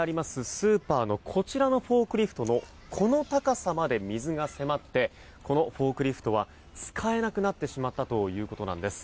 スーパーのこちらのフォークリフトのこの高さまで水が迫ってこのフォークリフトは使えなくなってしまったということなんです。